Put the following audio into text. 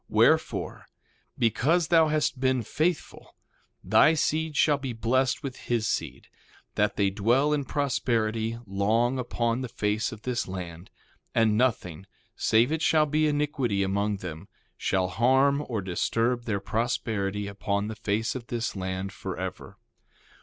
1:31 Wherefore, because thou hast been faithful thy seed shall be blessed with his seed, that they dwell in prosperity long upon the face of this land; and nothing, save it shall be iniquity among them, shall harm or disturb their prosperity upon the face of this land forever.